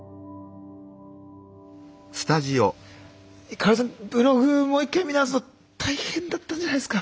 香さんブログもう一回見直すの大変だったんじゃないですか？